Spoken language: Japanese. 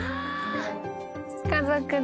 家族で。